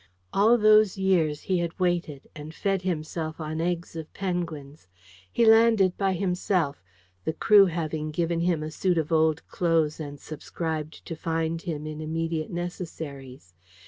All those years he had waited, and fed himself on eggs of penguins. He landed by himself, the crew having given him a suit of old clothes, and subscribed to find him in immediate necessaries.